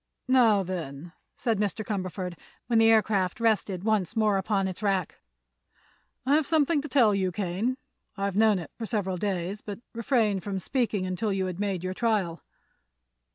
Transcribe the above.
"Now, then," said Mr. Cumberford, when the aircraft rested once more upon its rack, "I've something to tell you, Kane. I've known it for several days, but refrained from speaking until you had made your trial."